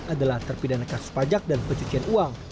adalah terpidana kasus pajak dan pencucian uang